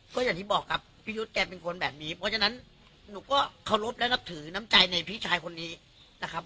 ก็อย่างที่บอกครับพี่ยุทธ์แกเป็นคนแบบนี้เพราะฉะนั้นหนูก็เคารพและนับถือน้ำใจในพี่ชายคนนี้นะครับ